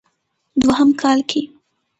دوهم کال کې